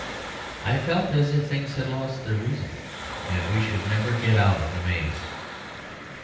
I felt as if things had lost their reason, and we should never get out of the maze.